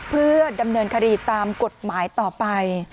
เพื่อดำเนินคดีตามกฎหมายต่อไป